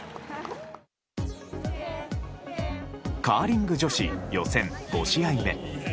カーリング女子予選５試合目。